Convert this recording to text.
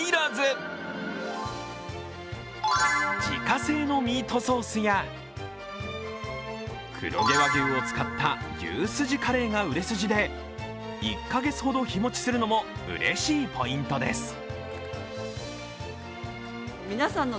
自家製のミートソースや黒毛和牛を使った牛すじカレーが売れ筋で、１カ月ほど日持ちするのもうれしいポイントです。